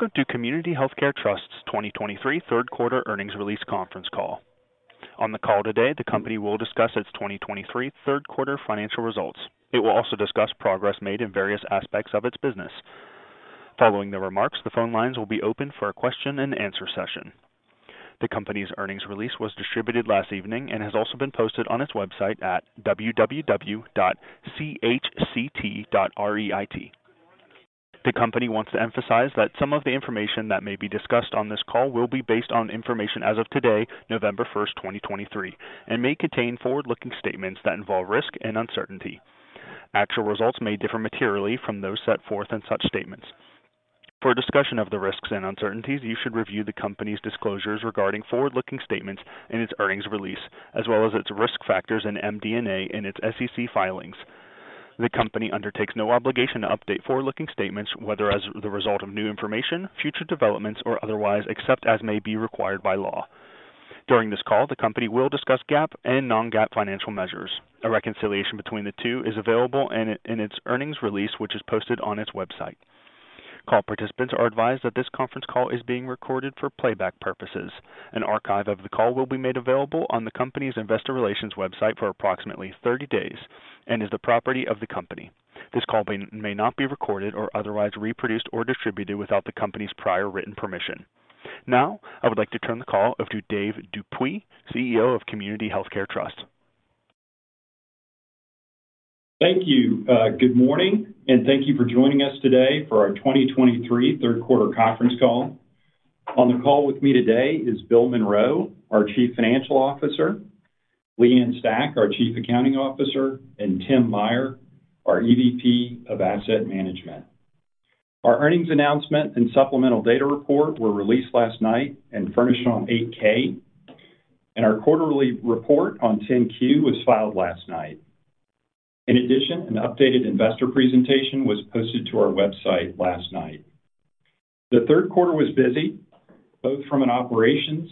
Welcome to Community Healthcare Trust's 2023 third quarter earnings release conference call. On the call today, the company will discuss its 2023 third quarter financial results. It will also discuss progress made in various aspects of its business. Following the remarks, the phone lines will be open for a question and answer session. The company's earnings release was distributed last evening and has also been posted on its website at www.chct.reit. The company wants to emphasize that some of the information that may be discussed on this call will be based on information as of today, November 1st, 2023, and may contain forward-looking statements that involve risk and uncertainty. Actual results may differ materially from those set forth in such statements. For a discussion of the risks and uncertainties, you should review the company's disclosures regarding forward-looking statements in its earnings release, as well as its risk factors in MD&A in its SEC filings. The company undertakes no obligation to update forward-looking statements, whether as the result of new information, future developments, or otherwise, except as may be required by law. During this call, the company will discuss GAAP and non-GAAP financial measures. A reconciliation between the two is available in its earnings release, which is posted on its website. Call participants are advised that this conference call is being recorded for playback purposes. An archive of the call will be made available on the company's investor relations website for approximately 30 days and is the property of the company. This call may not be recorded or otherwise reproduced or distributed without the company's prior written permission. Now, I would like to turn the call over to Dave Dupuy, CEO of Community Healthcare Trust. Thank you. Good morning, and thank you for joining us today for our 2023 third quarter conference call. On the call with me today is Bill Monroe, our Chief Financial Officer; Leigh Ann Stach, our Chief Accounting Officer; and Tim Meyer, our EVP of Asset Management. Our earnings announcement and supplemental data report were released last night and furnished on 8-K, and our quarterly report on 10-Q was filed last night. In addition, an updated investor presentation was posted to our website last night. The third quarter was busy, both from an acquisition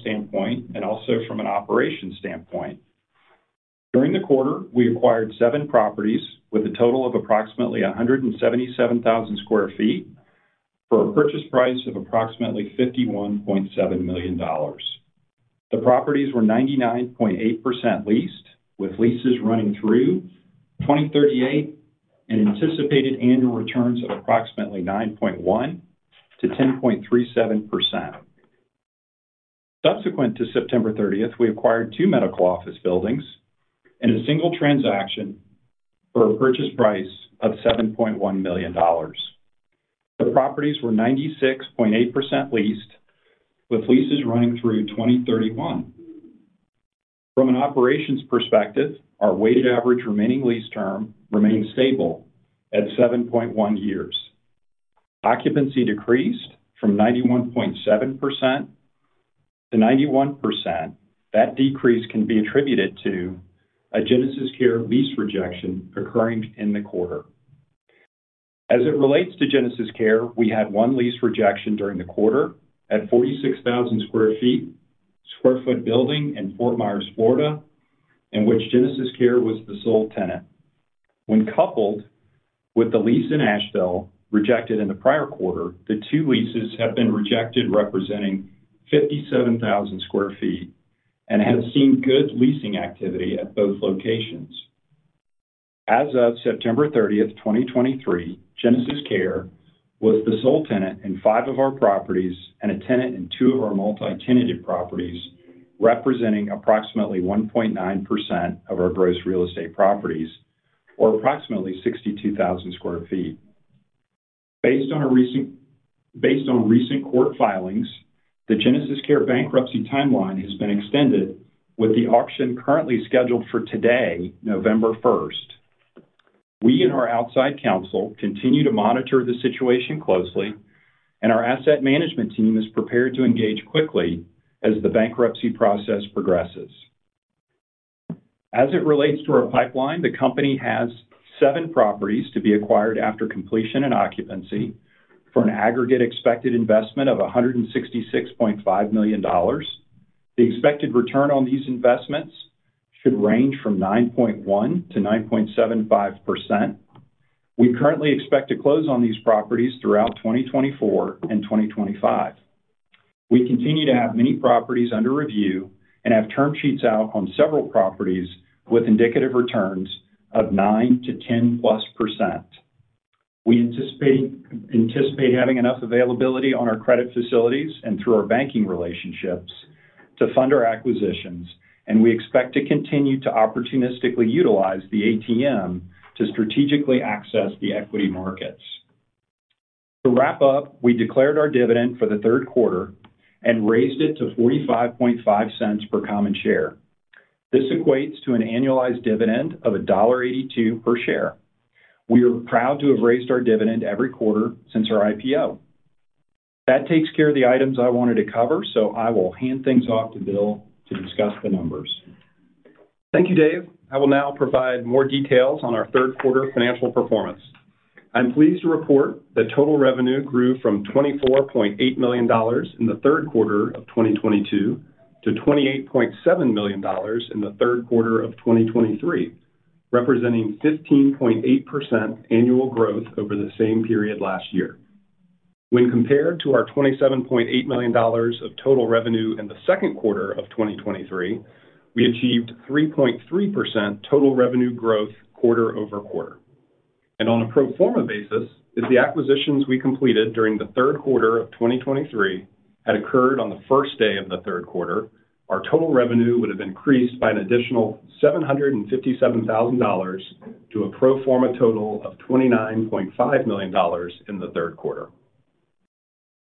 standpoint and also from an operations standpoint. During the quarter, we acquired seven properties with a total of approximately 177,000 sq ft for a purchase price of approximately $51.7 million. The properties were 99.8% leased, with leases running through 2038 and anticipated annual returns of approximately 9.1%-10.37%. Subsequent to September 30th, we acquired two medical office buildings in a single transaction for a purchase price of $7.1 million. The properties were 96.8% leased, with leases running through 2031. From an operations perspective, our weighted average remaining lease term remains stable at 7.1 years. Occupancy decreased from 91.7% to 91%. That decrease can be attributed to a GenesisCare lease rejection occurring in the quarter. As it relates to GenesisCare, we had one lease rejection during the quarter at 46,000 sq ft building in Fort Myers, Florida, in which GenesisCare was the sole tenant. When coupled with the lease in Asheville, rejected in the prior quarter, the two leases have been rejected, representing 57,000 sq ft, and have seen good leasing activity at both locations. As of September 30th, 2023, GenesisCare was the sole tenant in five of our properties and a tenant in two of our multi-tenanted properties, representing approximately 1.9% of our gross real estate properties, or approximately 62,000 sq ft. Based on recent court filings, the GenesisCare bankruptcy timeline has been extended, with the auction currently scheduled for today, November 1st. We and our outside counsel continue to monitor the situation closely, and our asset management team is prepared to engage quickly as the bankruptcy process progresses. As it relates to our pipeline, the company has seven properties to be acquired after completion and occupancy for an aggregate expected investment of $166.5 million. The expected return on these investments should range from 9.1%-9.75%. We currently expect to close on these properties throughout 2024 and 2025. We continue to have many properties under review and have term sheets out on several properties with indicative returns of 9%-10%+. We anticipate having enough availability on our credit facilities and through our banking relationships to fund our acquisitions, and we expect to continue to opportunistically utilize the ATM to strategically access the equity markets. To wrap up, we declared our dividend for the third quarter and raised it to $0.455 per common share. This equates to an annualized dividend of $1.82 per share. We are proud to have raised our dividend every quarter since our IPO. That takes care of the items I wanted to cover, so I will hand things off to Bill to discuss the numbers. Thank you, Dave. I will now provide more details on our third quarter financial performance. I'm pleased to report that total revenue grew from $24.8 million in the third quarter of 2022 to $28.7 million in the third quarter of 2023. Representing 15.8% annual growth over the same period last year. When compared to our $27.8 million of total revenue in the second quarter of 2023, we achieved 3.3% total revenue growth quarter-over-quarter. On a pro forma basis, if the acquisitions we completed during the third quarter of 2023 had occurred on the first day of the third quarter, our total revenue would have increased by an additional $757,000 to a pro forma total of $29.5 million in the third quarter.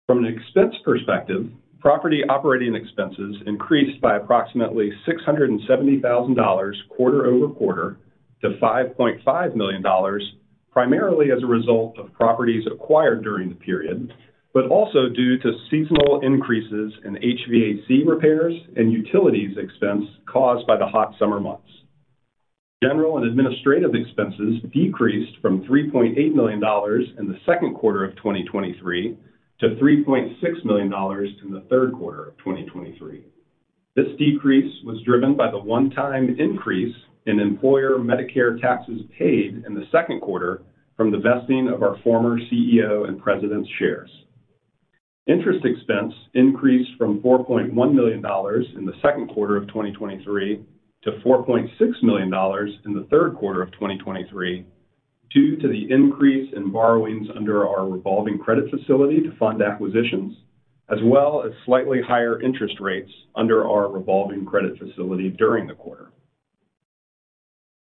From an expense perspective, property operating expenses increased by approximately $670,000 quarter-over-quarter to $5.5 million, primarily as a result of properties acquired during the period, but also due to seasonal increases in HVAC repairs and utilities expense caused by the hot summer months. General and administrative expenses decreased from $3.8 million in the second quarter of 2023 to $3.6 million in the third quarter of 2023. This decrease was driven by the one-time increase in employer Medicare taxes paid in the second quarter from the vesting of our former CEO and President's shares. Interest expense increased from $4.1 million in the second quarter of 2023 to $4.6 million in the third quarter of 2023, due to the increase in borrowings under our revolving credit facility to fund acquisitions, as well as slightly higher interest rates under our revolving credit facility during the quarter.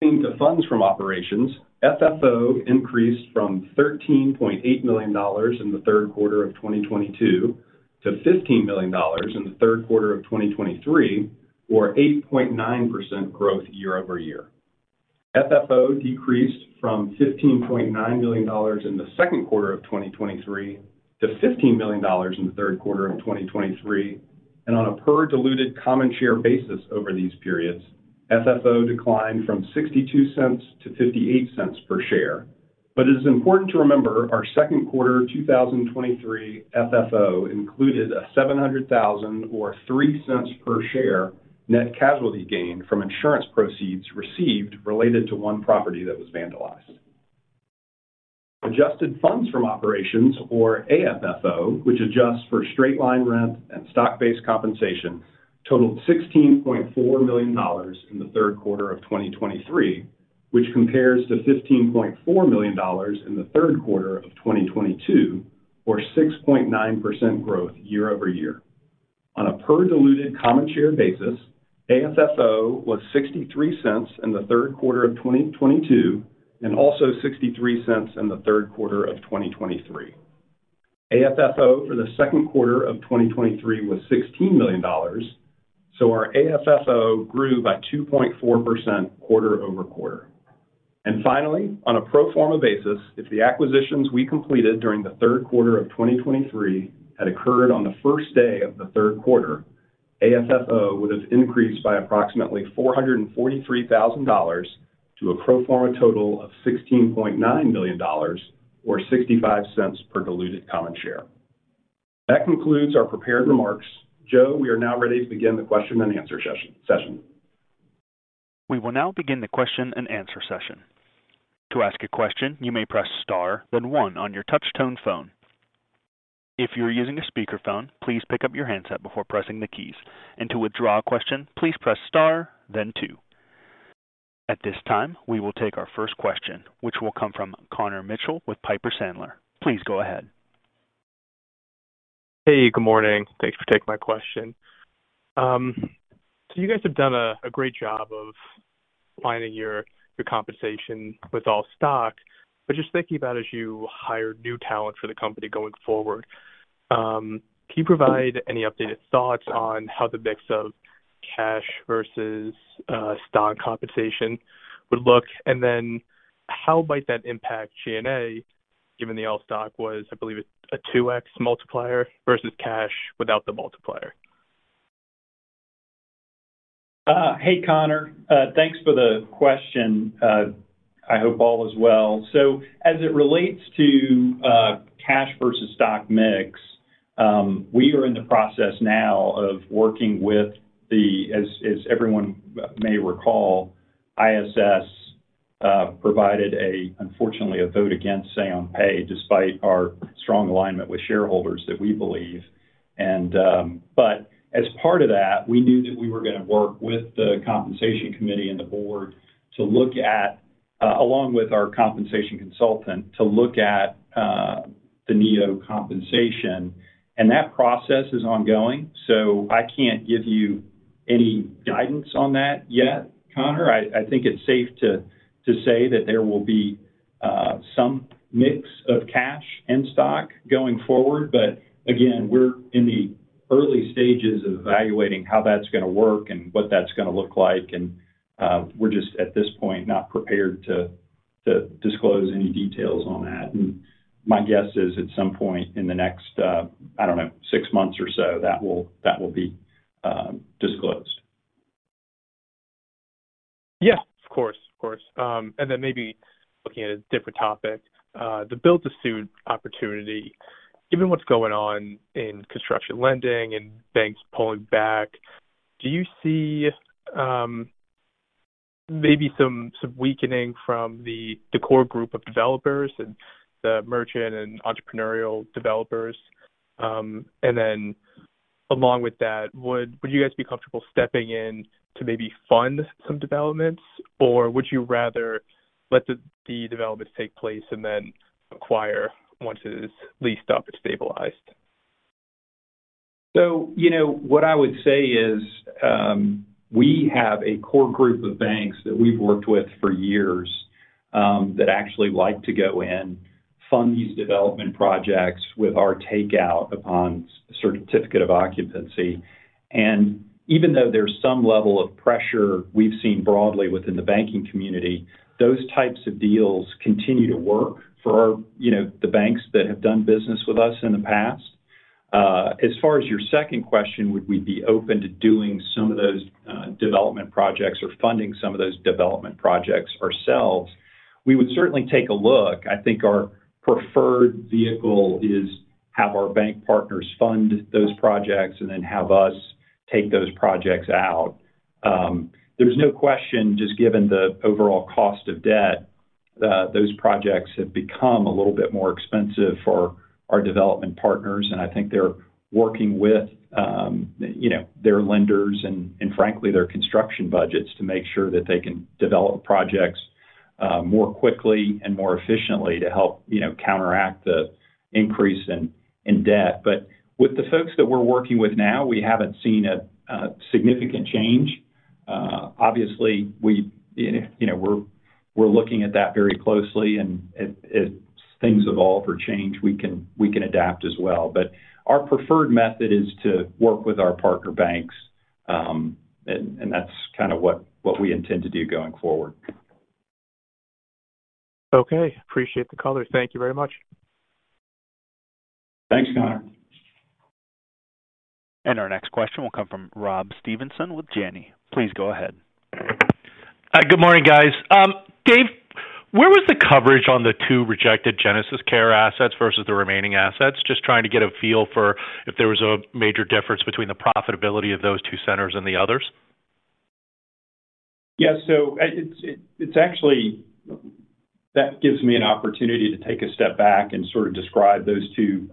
Turning to funds from operations, FFO increased from $13.8 million in the third quarter of 2022 to $15 million in the third quarter of 2023, or 8.9% growth year-over-year. FFO decreased from $15.9 million in the second quarter of 2023 to $15 million in the third quarter of 2023, and on a per diluted common share basis over these periods, FFO declined from $0.62 to $0.58 per share. But it is important to remember, our second quarter of 2023 FFO included a $700,000, or $0.03 per share, net casualty gain from insurance proceeds received related to 1 property that was vandalized. Adjusted funds from operations, or AFFO, which adjusts for straight-line rent and stock-based compensation, totaled $16.4 million in the third quarter of 2023, which compares to $15.4 million in the third quarter of 2022, or 6.9% growth year-over-year. On a per diluted common share basis, AFFO was $0.63 in the third quarter of 2022 and also $0.63 in the third quarter of 2023. AFFO for the second quarter of 2023 was $16 million, so our AFFO grew by 2.4% quarter-over-quarter. And finally, on a pro forma basis, if the acquisitions we completed during the third quarter of 2023 had occurred on the first day of the third quarter, AFFO would have increased by approximately $443,000 to a pro forma total of $16.9 million, or $0.65 per diluted common share. That concludes our prepared remarks. Joe, we are now ready to begin the question and answer session. We will now begin the question and answer session. To ask a question, you may press star, then one on your touch tone phone. If you are using a speakerphone, please pick up your handset before pressing the keys. To withdraw a question, please press star, then two. At this time, we will take our first question, which will come from Connor Mitchell with Piper Sandler. Please go ahead. Hey, good morning. Thanks for taking my question. So you guys have done a great job of aligning your compensation with all stock. But just thinking about as you hire new talent for the company going forward, can you provide any updated thoughts on how the mix of cash versus stock compensation would look? And then how might that impact G&A, given the all stock was, I believe, a 2x multiplier versus cash without the multiplier? Hey, Connor. Thanks for the question. I hope all is well. So as it relates to cash versus stock mix, we are in the process now of working with the compensation committee. As everyone may recall, ISS provided, unfortunately, a vote against Say on Pay, despite our strong alignment with shareholders that we believe. But as part of that, we knew that we were gonna work with the compensation committee and the board to look at, along with our compensation consultant, to look at the NEO compensation. And that process is ongoing, so I can't give you any guidance on that yet, Connor. I think it's safe to say that there will be some mix of cash and stock going forward, but again, we're in the early stages of evaluating how that's gonna work and what that's gonna look like, and we're just at this point not prepared to disclose any details on that. My guess is, at some point in the next, I don't know, six months or so, that will be disclosed. Yeah, of course, of course. Maybe looking at a different topic, the build to suit opportunity, given what's going on in construction lending and banks pulling back, do you see maybe some weakening from the core group of developers and the merchant and entrepreneurial developers? Along with that, would you guys be comfortable stepping in to maybe fund some developments? Or would you rather let the developments take place and then acquire once it is leased up and stabilized? So, you know, what I would say is, we have a core group of banks that we've worked with for years, that actually like to go in, fund these development projects with our takeout upon certificate of occupancy. And even though there's some level of pressure we've seen broadly within the banking community, those types of deals continue to work for our, you know, the banks that have done business with us in the past. As far as your second question, would we be open to doing some of those, development projects or funding some of those development projects ourselves? We would certainly take a look. I think our preferred vehicle is have our bank partners fund those projects and then have us take those projects out. There's no question, just given the overall cost of debt, that those projects have become a little bit more expensive for our development partners, and I think they're working with, you know, their lenders and, and frankly, their construction budgets to make sure that they can develop projects, more quickly and more efficiently to help, you know, counteract the increase in debt. But with the folks that we're working with now, we haven't seen a significant change. Obviously, we, you know, we're looking at that very closely, and as things evolve or change, we can adapt as well. But our preferred method is to work with our partner banks, and that's kind of what we intend to do going forward. Okay. Appreciate the color. Thank you very much. Thanks, Connor. Our next question will come from Rob Stevenson with Janney. Please go ahead. Hi, good morning, guys. Dave, where was the coverage on the two rejected GenesisCare assets versus the remaining assets? Just trying to get a feel for if there was a major difference between the profitability of those two centers and the others. Yeah, so, it's actually that gives me an opportunity to take a step back and sort of describe those two,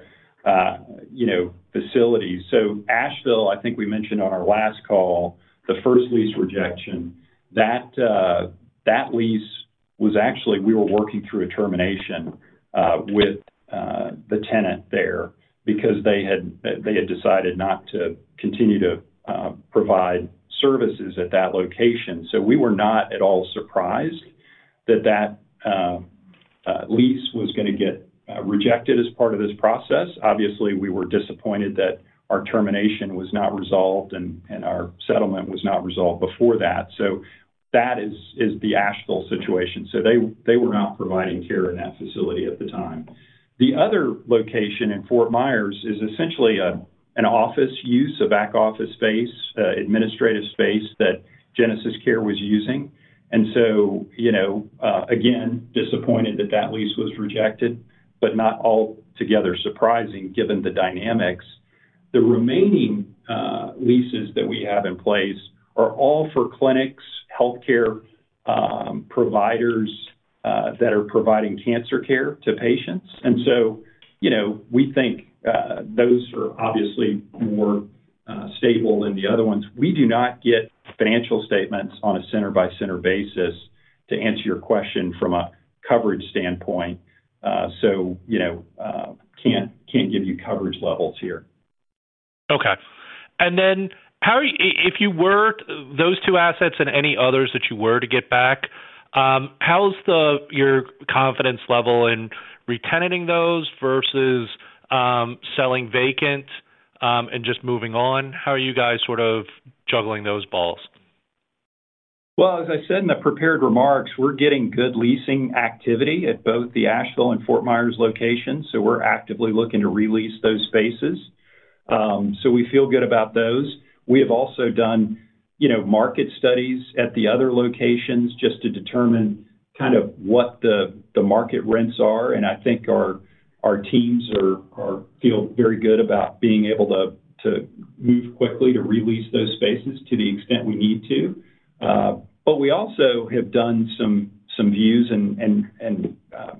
you know, facilities. So Asheville, I think we mentioned on our last call, the first lease rejection, that lease was actually, we were working through a termination with the tenant there because they had decided not to continue to provide services at that location. So we were not at all surprised that that lease was gonna get rejected as part of this process. Obviously, we were disappointed that our termination was not resolved, and our settlement was not resolved before that. So that is the Asheville situation. So they were not providing care in that facility at the time. The other location in Fort Myers is essentially an office use, a back office space, administrative space that GenesisCare was using. And so, you know, again, disappointed that that lease was rejected, but not altogether surprising given the dynamics. The remaining leases that we have in place are all for clinics, healthcare providers that are providing cancer care to patients. And so, you know, we think those are obviously more stable than the other ones. We do not get financial statements on a center-by-center basis, to answer your question from a coverage standpoint, so, you know, can't give you coverage levels here. Okay. And then how are you, if you were, those two assets and any others that you were to get back, how's your confidence level in retenanting those versus, selling vacant, and just moving on? How are you guys sort of juggling those balls? Well, as I said in the prepared remarks, we're getting good leasing activity at both the Asheville and Fort Myers locations, so we're actively looking to re-lease those spaces. So we feel good about those. We have also done, you know, market studies at the other locations just to determine kind of what the market rents are, and I think our teams feel very good about being able to move quickly to re-lease those spaces to the extent we need to. But we also have done some views and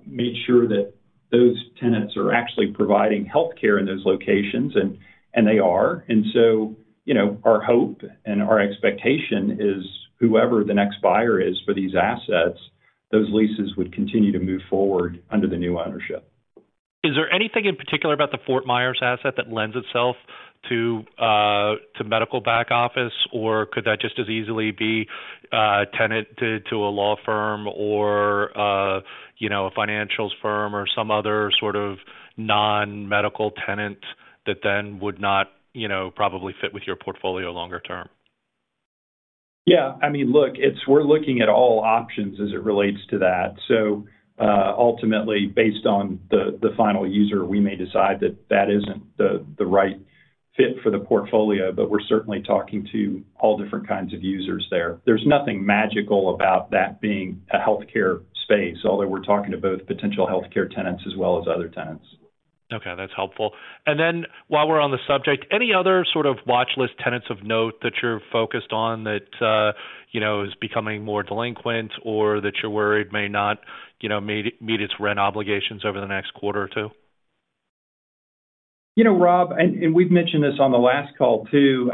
made sure that those tenants are actually providing healthcare in those locations, and they are. And so, you know, our hope and our expectation is whoever the next buyer is for these assets, those leases would continue to move forward under the new ownership. Is there anything in particular about the Fort Myers asset that lends itself to, to medical back office, or could that just as easily be, tenanted to a law firm or, you know, a financials firm or some other sort of non-medical tenant that then would not, you know, probably fit with your portfolio longer term? Yeah, I mean, look, it's – we're looking at all options as it relates to that. So, ultimately, based on the final user, we may decide that that isn't the right fit for the portfolio, but we're certainly talking to all different kinds of users there. There's nothing magical about that being a healthcare space, although we're talking to both potential healthcare tenants as well as other tenants. Okay, that's helpful. And then, while we're on the subject, any other sort of watchlist tenants of note that you're focused on that, you know, is becoming more delinquent or that you're worried may not, you know, meet its rent obligations over the next quarter or two? You know, Rob, and we've mentioned this on the last call, too.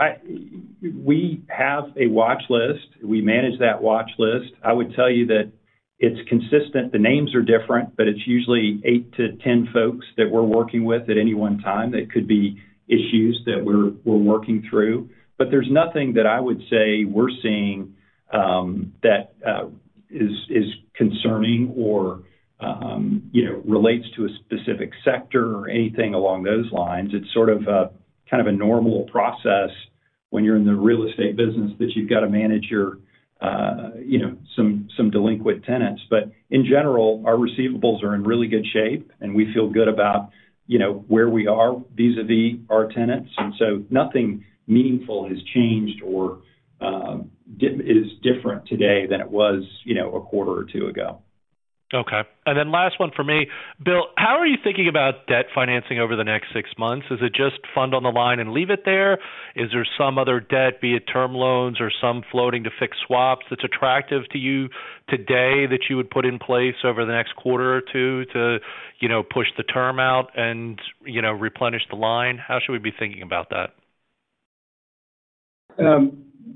We have a watchlist. We manage that watchlist. I would tell you that it's consistent. The names are different, but it's usually eight-10 folks that we're working with at any one time. That could be issues that we're working through. But there's nothing that I would say we're seeing that is concerning or you know relates to a specific sector or anything along those lines. It's sort of a kind of a normal process when you're in the real estate business, that you've got to manage your you know some delinquent tenants. But in general, our receivables are in really good shape, and we feel good about, you know, where we are vis-à-vis our tenants, and so nothing meaningful has changed or is different today than it was, you know, a quarter or two ago. Okay. And then last one for me. Bill, how are you thinking about debt financing over the next six months? Is it just fund on the line and leave it there? Is there some other debt, be it term loans or some floating to fix swaps, that's attractive to you today that you would put in place over the next quarter or two to, you know, push the term out and, you know, replenish the line? How should we be thinking about that?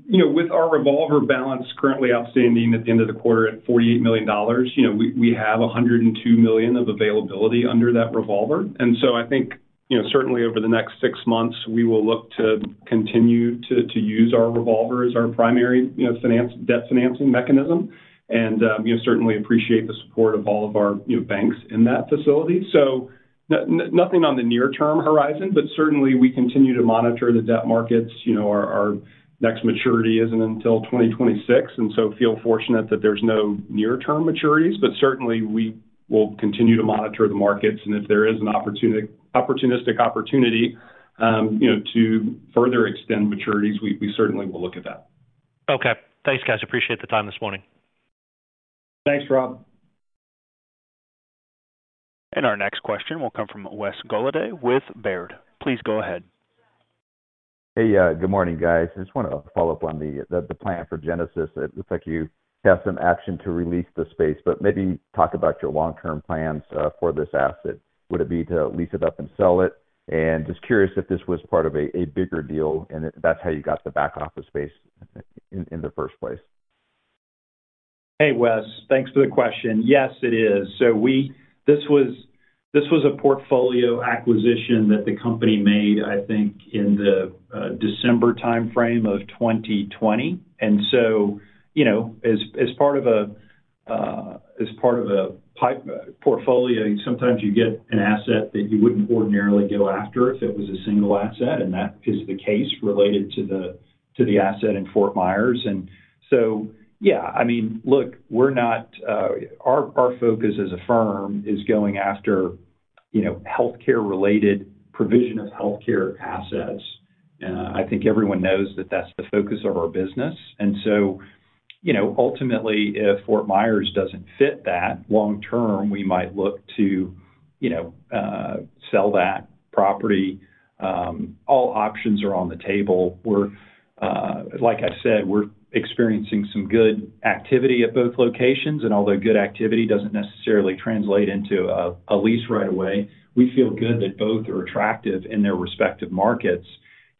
You know, with our revolver balance currently outstanding at the end of the quarter at $48 million, you know, we have $102 million of availability under that revolver. And so I think, you know, certainly over the next six months, we will look to continue to use our revolver as our primary, you know, debt financing mechanism, and we certainly appreciate the support of all of our, you know, banks in that facility. So nothing on the near-term horizon, but certainly, we continue to monitor the debt markets. You know, our next maturity isn't until 2026, and so feel fortunate that there's no near-term maturities. But certainly, we will continue to monitor the markets, and if there is an opportunistic opportunity, you know, to further extend maturities, we certainly will look at that. Okay. Thanks, guys. Appreciate the time this morning. Thanks, Rob. Our next question will come from Wes Golladay, with Baird. Please go ahead. Hey, good morning, guys. I just want to follow up on the plan for Genesis. It looks like you have some action to re-lease the space, but maybe talk about your long-term plans for this asset. Would it be to lease it up and sell it? And just curious if this was part of a bigger deal, and if that's how you got the back office space in the first place. Hey, Wes. Thanks for the question. Yes, it is. So this was a portfolio acquisition that the company made, I think, in the December timeframe of 2020. And so, you know, as part of a portfolio, sometimes you get an asset that you wouldn't ordinarily go after if it was a single asset, and that is the case related to the asset in Fort Myers. And so, yeah, I mean, look, we're not our focus as a firm is going after, you know, healthcare-related, provision of healthcare assets. I think everyone knows that that's the focus of our business. And so, you know, ultimately, if Fort Myers doesn't fit that long term, we might look to, you know, sell that property. All options are on the table. We're, like I said, we're experiencing some good activity at both locations, and although good activity doesn't necessarily translate into a lease right away, we feel good that both are attractive in their respective markets.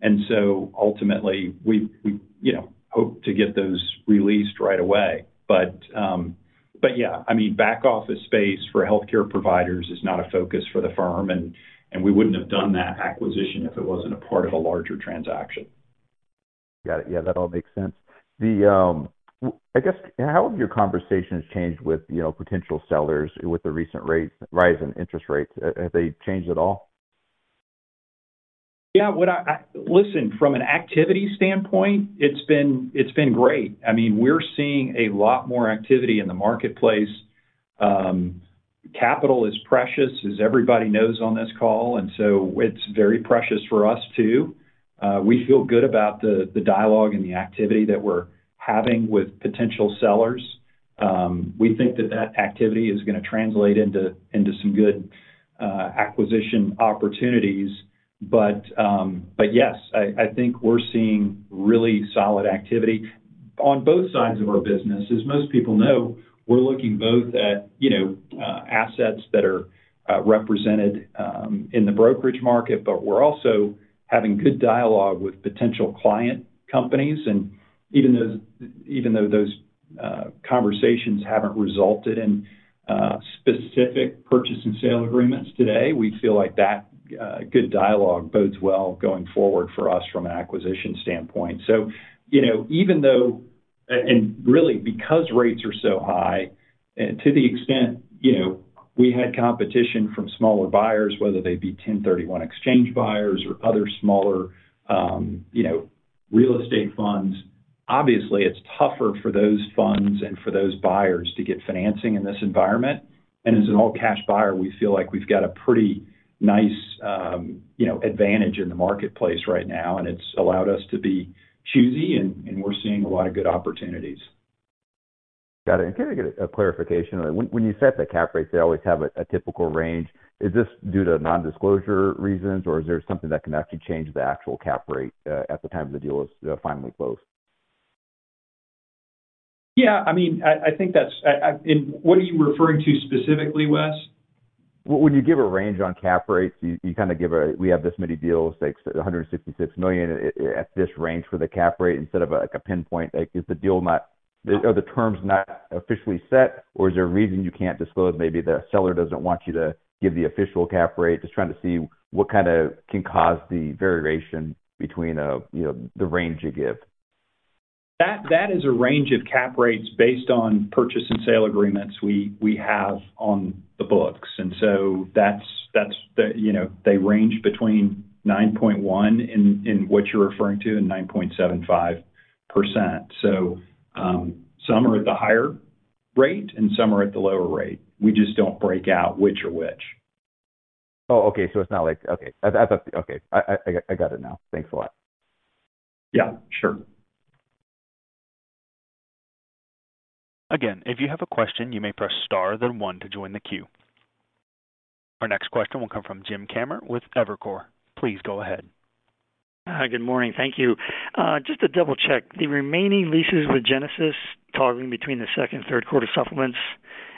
And so ultimately, we, you know, hope to get those re-leased right away. But yeah, I mean, back office space for healthcare providers is not a focus for the firm, and we wouldn't have done that acquisition if it wasn't a part of a larger transaction. Got it. Yeah, that all makes sense. I guess, how have your conversations changed with, you know, potential sellers with the recent rate rise in interest rates? Have they changed at all? Yeah, Listen, from an activity standpoint, it's been great. I mean, we're seeing a lot more activity in the marketplace. Capital is precious, as everybody knows on this call, and so it's very precious for us, too. We feel good about the dialogue and the activity that we're having with potential sellers. We think that that activity is gonna translate into some good acquisition opportunities. But yes, I think we're seeing really solid activity on both sides of our business. As most people know, we're looking both at, you know, assets that are represented in the brokerage market, but we're also having good dialogue with potential client companies. Even though those conversations haven't resulted in specific purchase and sale agreements today, we feel like that good dialogue bodes well going forward for us from an acquisition standpoint. So, you know, even though and really, because rates are so high, to the extent, you know, we had competition from smaller buyers, whether they be 1031 exchange buyers or other smaller, you know, real estate funds. Obviously, it's tougher for those funds and for those buyers to get financing in this environment. And as an all-cash buyer, we feel like we've got a pretty nice, you know, advantage in the marketplace right now, and it's allowed us to be choosy, and we're seeing a lot of good opportunities. Got it. And can I get a clarification? When you set the cap rates, they always have a typical range. Is this due to non-disclosure reasons, or is there something that can actually change the actual cap rate at the time the deal is finally closed? Yeah, I mean, I think that's, and what are you referring to specifically, Wes? Well, when you give a range on cap rates, you kind of give a, "We have this many deals, like, $166 million at this range for the cap rate," instead of, like, a pinpoint. Like, is the deal not—are the terms not officially set, or is there a reason you can't disclose? Maybe the seller doesn't want you to give the official cap rate. Just trying to see what kind of can cause the variation between, you know, the range you give. That is a range of cap rates based on purchase and sale agreements we have on the books, and so that's the, you know, they range between 9.1 in what you're referring to, and 9.75%. So, some are at the higher rate, and some are at the lower rate. We just don't break out which are which. Oh, okay. So it's not like. Okay. That's okay. I got it now. Thanks a lot. Yeah, sure. Again, if you have a question, you may press star, then one to join the queue. Our next question will come from Jim Kammert with Evercore. Please go ahead. Hi, good morning. Thank you. Just to double-check, the remaining leases with Genesis toggling between the second and third quarter supplements,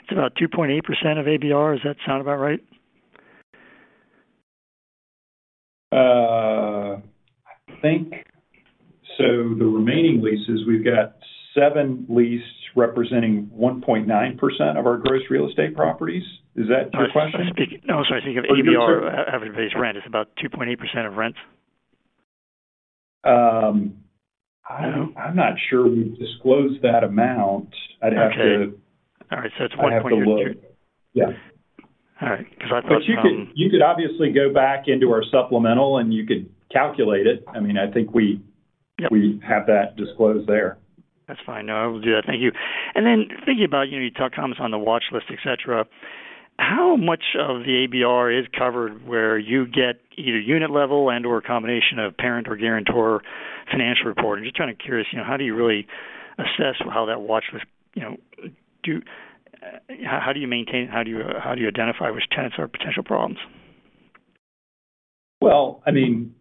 it's about 2.8% of ABR. Does that sound about right? I think, so the remaining leases, we've got seven leases representing 1.9% of our gross real estate properties. Is that your question? No, so I think of ABR, average base rent, it's about 2.8% of rent. I'm not sure we've disclosed that amount. I'd have to- Okay. All right, so it's one point- I'd have to look. Yeah. All right. Because I thought- But you can, you could obviously go back into our supplemental, and you could calculate it. I mean, I think we- Yep. We have that disclosed there. That's fine. No, I will do that. Thank you. And then thinking about, you know, you talk comments on the watch list, et cetera, how much of the ABR is covered where you get either unit level and/or a combination of parent or guarantor financial reporting? Just kind of curious, you know, how do you really assess how that watch list, you know, how do you maintain, how do you, how do you identify which tenants are potential problems? Well, I mean,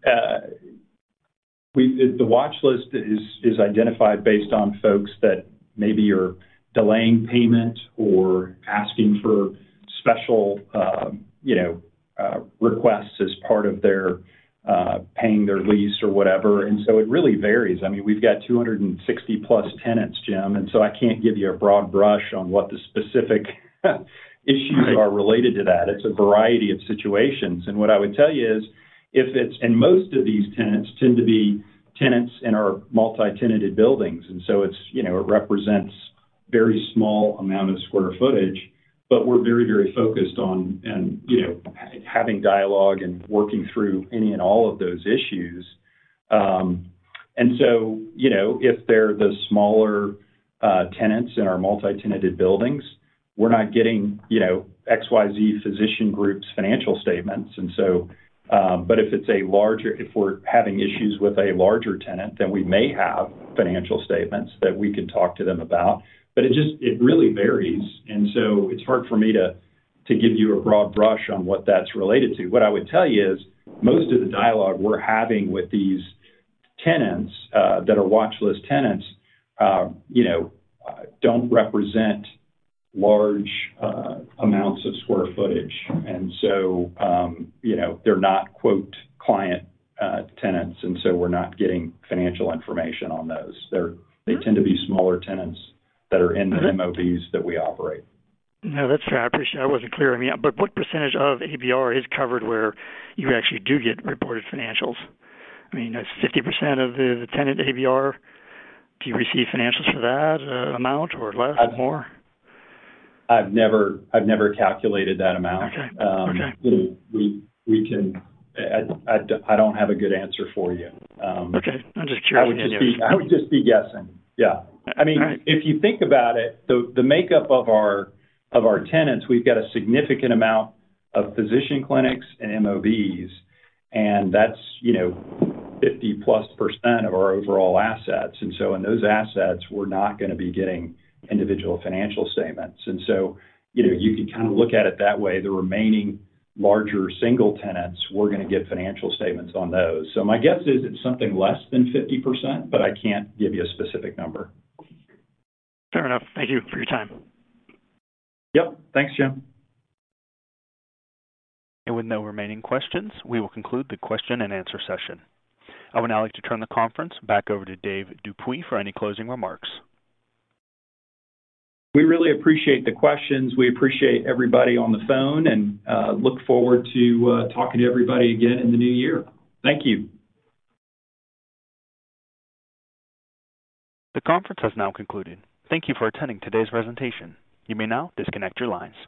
we, the watch list is identified based on folks that maybe are delaying payment or asking for special, you know, requests as part of their paying their lease or whatever. And so it really varies. I mean, we've got 260+ tenants, Jim, and so I can't give you a broad brush on what the specific issues are related to that. It's a variety of situations. And what I would tell you is, if it's-- and most of these tenants tend to be tenants in our multi-tenanted buildings, and so it's, you know, it represents very small amount of square footage, but we're very, very focused on and, you know, having dialogue and working through any and all of those issues. And so, you know, if they're the smaller tenants in our multi-tenanted buildings, we're not getting, you know, XYZ physician groups' financial statements. And so, if we're having issues with a larger tenant, then we may have financial statements that we can talk to them about, but it just, it really varies. And so it's hard for me to give you a broad brush on what that's related to. What I would tell you is, most of the dialogue we're having with these tenants that are watch list tenants, you know, don't represent large amounts of square footage. And so, you know, they're not, quote, "client," tenants, and so we're not getting financial information on those. They tend to be smaller tenants that are in the MOBs that we operate. No, that's fair. I appreciate. I wasn't clear. I mean, but what percentage of ABR is covered where you actually do get reported financials? I mean, is 50% of the tenant ABR, do you receive financials for that amount, or less, or more? I've never calculated that amount. Okay. Okay. We can, I don't have a good answer for you. Okay. I'm just curious. I would just be guessing. Yeah. All right. I mean, if you think about it, the makeup of our tenants, we've got a significant amount of physician clinics and MOBs, and that's, you know, 50%+ of our overall assets. And so in those assets, we're not gonna be getting individual financial statements. And so, you know, you could kind of look at it that way. The remaining larger single tenants, we're gonna get financial statements on those. So my guess is it's something less than 50%, but I can't give you a specific number. Fair enough. Thank you for your time. Yep. Thanks, Jim. With no remaining questions, we will conclude the question and answer session. I would now like to turn the conference back over to Dave Dupuy for any closing remarks. We really appreciate the questions. We appreciate everybody on the phone, and look forward to talking to everybody again in the new year. Thank you. The conference has now concluded. Thank you for attending today's presentation. You may now disconnect your lines.